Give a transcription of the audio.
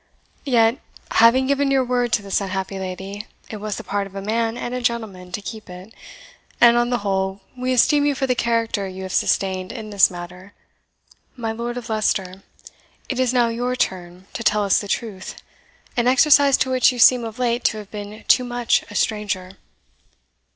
Yet, having given your word to this unhappy lady, it was the part of a man and a gentleman to keep it; and on the whole, we esteem you for the character you have sustained in this matter. My Lord of Leicester, it is now your turn to tell us the truth, an exercise to which you seem of late to have been too much a stranger."